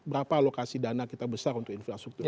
berapa alokasi dana kita besar untuk infrastruktur